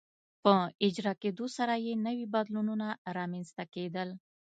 په اجرا کېدو سره یې نوي بدلونونه رامنځته کېدل.